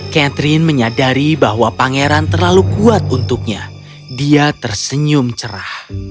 catherine menyadari bahwa pangeran terlalu kuat untuknya dia tersenyum cerah